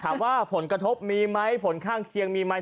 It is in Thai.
ถามว่าผลกระทบมีไหมผลข้างเคียงมีไหม